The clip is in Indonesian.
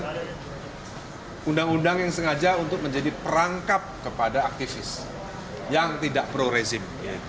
dan undang undang yang sengaja untuk menjadi perangkap kepada aktivis yang tidak pro rezim